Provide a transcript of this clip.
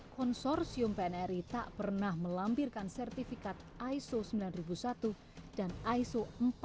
konsorsium pnri tak pernah melampirkan sertifikat iso sembilan ribu satu dan iso empat ratus